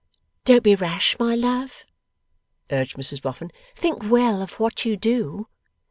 'Don't be rash, my love,' urged Mrs Boffin. 'Think well of what you do.